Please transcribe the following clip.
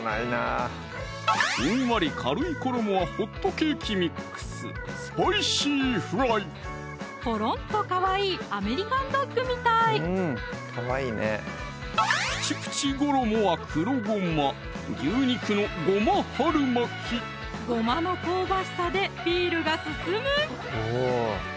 ふんわり軽い衣はホットケーキミックスコロンとかわいいアメリカンドッグみたいプチプチ衣は黒ごまごまの香ばしさでビールが進む！